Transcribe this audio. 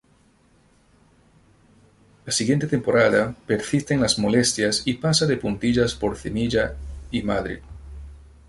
La siguiente temporada persisten las molestias y pasa de puntillas por Sevilla y Madrid.